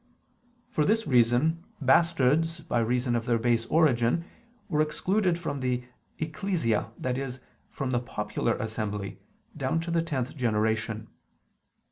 For this reason bastards, by reason of their base origin, were excluded from the ecclesia, i.e. from the popular assembly, down to the tenth generation.